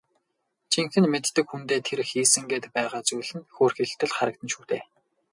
Жинхэнэ мэддэг хүндээ тэр хийсэн гээд байгаа зүйл нь хөөрхийлөлтэй л харагдана шүү дээ.